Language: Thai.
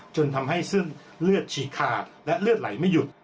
จนทำให้เส้นเลือดฉีกขาดและเลือดไหลไม่หยุด